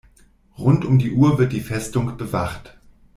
Rund um die Uhr wird die Festung bewacht.